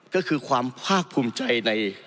ก็คือความภาคภูมิใจใน